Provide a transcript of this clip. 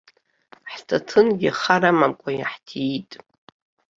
Ҳҭаҭынгьы хар амамкәа иаҳҭиит.